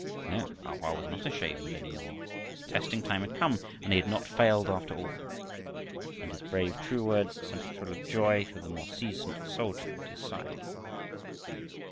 No, A Hoa was not "ashamed" any more. His testing time had come, and he had not failed after all. And his brave, true words sent a thrill of joy through the more seasoned soldier at his side.